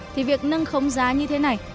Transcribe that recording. thì việc nâng khống giá như thế này